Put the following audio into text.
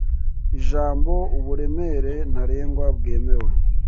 Ijambo uburemere ntarengwa bwemewe